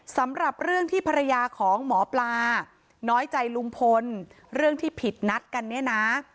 สำหรับเรื่องที่ภรรยาของหมอปลาน้อยใจลุงพลเรื่องที่ผิดนัดกันเนี่ยนะ